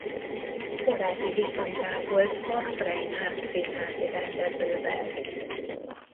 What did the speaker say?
Baráti viszonyt ápolt Max Reinhardt színházi rendezővel.